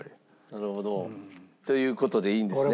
なるほど。という事でいいんですね？